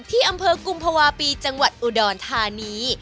ที่อำเภอกุมภาวะปีจังหวัดอุดรธานี